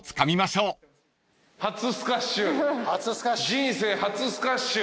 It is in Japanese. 人生初スカッシュ。